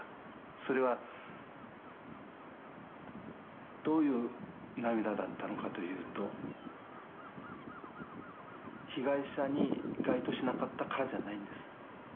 それはどういう涙だったのかというと被害者に該当しなかったからじゃないんです。